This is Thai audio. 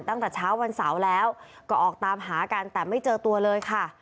ตั้งแต่เช้าวันเสาร์แล้วก็ออกตามหากันแต่ไม่เจอตัวเลยค่ะ